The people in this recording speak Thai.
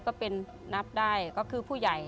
ก็เป็นนับได้ก็คือผู้ใหญ่